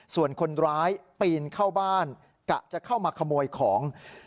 ส่วนคนร้ายปีนเข้าบ้านกะจะเข้ามาขโมยของ